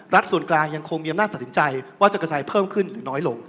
ส่วนกลางยังคงมีอำนาจตัดสินใจว่าจะกระจายเพิ่มขึ้นหรือน้อยลง